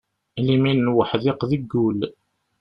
Limin n uḥdiq deg ul.